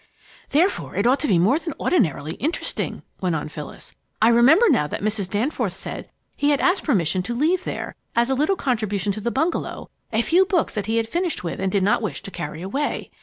"Therefore it ought to be more than ordinarily interesting," went on Phyllis. "I remember now that Mrs. Danforth said he had asked permission to leave there, as a little contribution to the bungalow, a few books that he had finished with and did not wish to carry away.